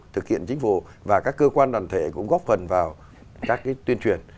thực hiện chính phủ và các cơ quan đoàn thể cũng góp phần vào các tuyên truyền